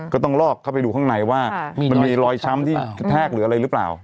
ก็ต้องลอกเข้าไปดูข้างในว่ามันมีรอยช้ำที่กระแทกหรืออะไรหรือเปล่า